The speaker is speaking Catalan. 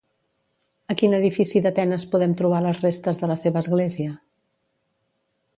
A quin edifici d'Atenes podem trobar les restes de la seva església?